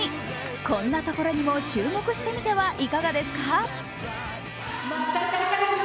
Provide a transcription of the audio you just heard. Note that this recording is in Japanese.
こんなところにも注目してみてはいかがですか。